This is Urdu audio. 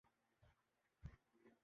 والے جلسے اور جلوس نہیں دیکھ رہے؟